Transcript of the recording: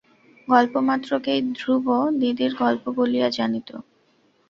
গল্পমাত্রকেই ধ্রুব দিদির গল্প বলিয়া জানিত।